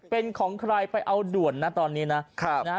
เป็นของใครไปเอาด่วนนะตอนนี้นะ